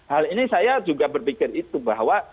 hal ini saya juga berpikir itu bahwa